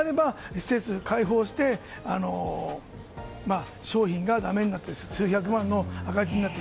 施設を開放して商品がだめになって数百万の赤字になる。